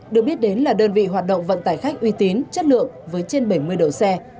được biết đến là đơn vị hoạt động vận tải khách uy tín chất lượng với trên bảy mươi độ xe